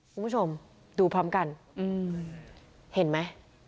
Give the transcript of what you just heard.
คุณผู้ชมดูพร้อมกันเห็นไหม